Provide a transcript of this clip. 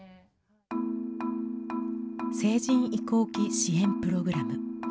成人移行期支援プログラム。